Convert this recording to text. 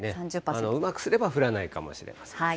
うまくすれば降らないかもしれません。